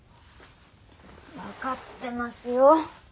分かってますよ。